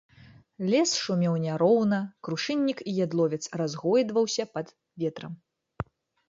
Лес шумеў няроўна, крушыннік і ядловец разгойдваўся пад ветрам.